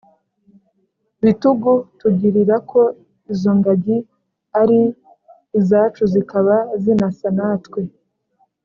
bitugu, tugirira ko izo ngagi ari izacu zikaba zinasa natwe